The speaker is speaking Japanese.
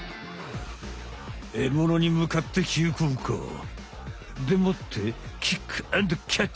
エモノにむかって急降下！でもってキックアンドキャッチ！